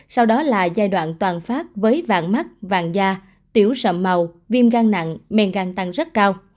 sau đó là giai đoạn toàn phát với vàng mắt vàng da tiểu sầm màu viêm gan nặng men gan tăng rất cao